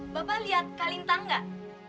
bapak lihat kak lintang gak